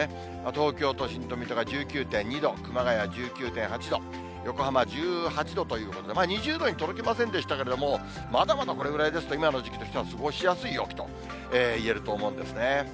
東京都心と水戸が１９．２度、熊谷１９．８度、横浜１８度ということで、２０度に届きませんでしたけれども、まだまだこれぐらいですと、今の時期としては過ごしやすい陽気と言えると思うんですね。